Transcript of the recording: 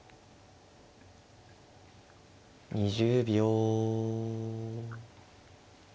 ２０秒。